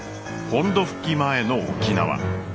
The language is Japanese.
本土復帰前の沖縄。